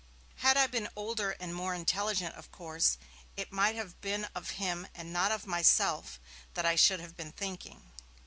Had I been older and more intelligent, of course, it might have been of him and not of myself that I should have been thinking.